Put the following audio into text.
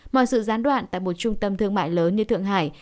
mọi sự gián đoạn tại một trung tâm thương mại lớn như thượng hải